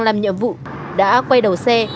làm nhiệm vụ đã quay đầu xe